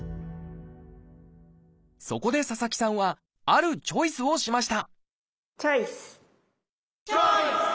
そこで佐々木さんはあるチョイスをしましたチョイス！